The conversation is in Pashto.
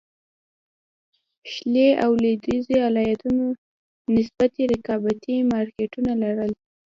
شلي او لوېدیځو ایالتونو نسبي رقابتي مارکېټونه لرل.